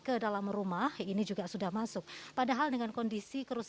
ke dalam rumah ini juga sudah masuk padahal dengan kondisi kerusakan rumah seperti ini